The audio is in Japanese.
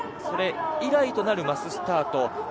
それ以来となるマススタート。